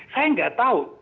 saya gak tahu